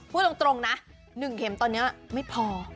พูดตรงนะ๑เข็มตอนนี้ไม่พอ